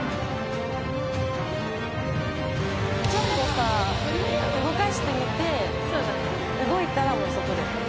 ちょっとさ動かしてみて動いたらもうそこだよね。